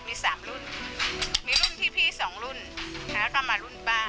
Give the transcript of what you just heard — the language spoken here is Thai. มีสามรุ่นมีรุ่นที่พี่สองรุ่นแล้วก็มารุ่นป้า